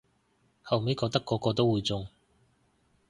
後咪覺得個個都會中